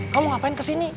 kamu ngapain kesini